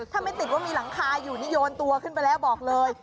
ถ้าไม่ติดว่ามีหลังคาอยู่นี่โยนตัวขึ้นไปแล้วบอกเลย